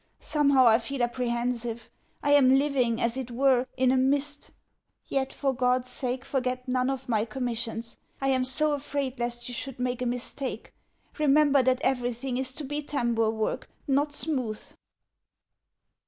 Somehow I feel apprehensive; I am living, as it were, in a mist. Yet, for God's sake, forget none of my commissions. I am so afraid lest you should make a mistake! Remember that everything is to be tambour work, not smooth.